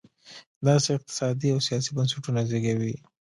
داسې اقتصادي او سیاسي بنسټونه زېږوي.